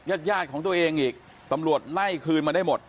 ญาติยาดของตัวเองอีกตำรวจไล่คืนมาได้หมด